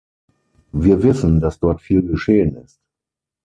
Wir wissen, dass dort viel geschehen ist.